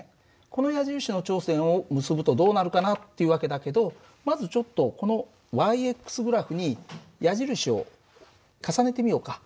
この矢印の頂点を結ぶとどうなるかなっていう訳だけどまずちょっとこの−グラフに矢印を重ねてみようか。